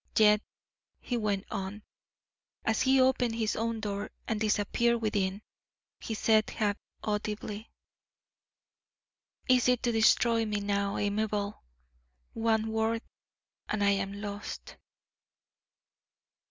Yet he went on. As he opened his own door and disappeared within, he said half audibly: "Easy to destroy me now, Amabel. One word and I am lost!"